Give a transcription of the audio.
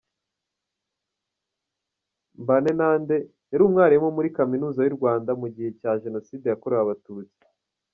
Mbanenande yari umwarimu muri Kaminuza y’u Rwanda mu gihe cya Jenoside yakorewe Abatutsi.